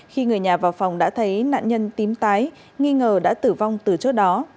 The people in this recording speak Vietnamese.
khi người nhà vào phòng đã thấy nạn nhân tím tái nghi ngờ đã tử vong từ trước đó